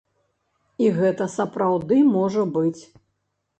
І гэта сапраўды можа быць.